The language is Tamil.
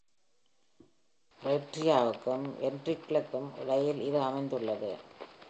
ஏட்ரியாவுக்கும் வென்ட்ரிக்கிள்களுக்கும் இடையில் இது அமைந்துள்ளது.